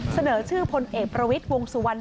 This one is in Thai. เสนอชื่อพลเอกประวิทย์วงสุวรรณ